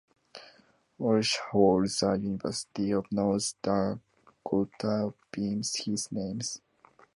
Walsh Hall at the University of North Dakota bears his name.